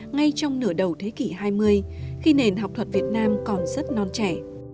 ngay trong nửa đầu thế kỷ hai mươi khi nền học thuật việt nam còn rất non trẻ